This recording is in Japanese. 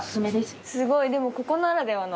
すごいでもここならでは。